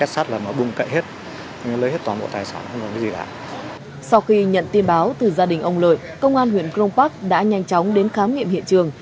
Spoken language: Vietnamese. sau khi nhận tin báo từ gia đình ông lợi công an huyện cron park đã nhanh chóng đến khám nghiệm hiện trường